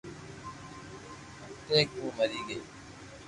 اٽيڪ مئن مري گئي